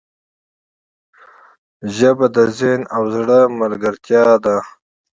ژبه د ذهن او زړه ملګرتیا ده